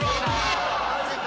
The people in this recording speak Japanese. マジか！